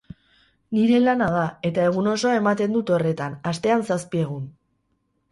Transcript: Nire lana da eta egun osoa ematen dut horretan, astean zazpi egun.